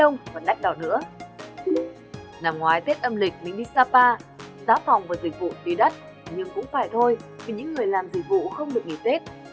năm ngoái tết âm lịch mình đi sapa giáo phòng và dịch vụ tuy đất nhưng cũng phải thôi vì những người làm dịch vụ không được nghỉ tết